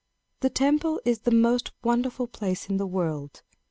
The temple is the most wonderful place in the world.